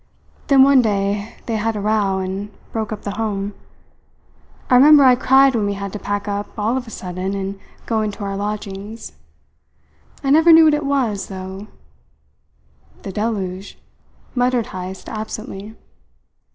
Then one day they had a row, and broke up the home. I remember I cried when we had to pack up all of a sudden and go into other lodgings. I never knew what it was, though " "The deluge," muttered Heyst absently.